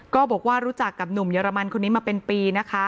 ก็บอกว่ารู้จักกับหนุ่มเยอรมันคนนี้มาเป็นปีนะคะ